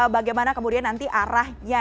bagaimana kemudian nanti arahnya